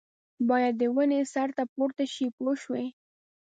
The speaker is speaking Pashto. باید د ونې سر ته پورته شي پوه شوې!.